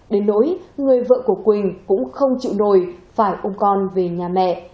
đến nỗi người vợ của quỳnh cũng không chịu đổi phải ôm con về nhà mẹ